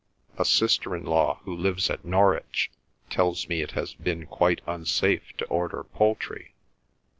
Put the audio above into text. "A sister in law, who lives at Norwich, tells me it has been quite unsafe to order poultry.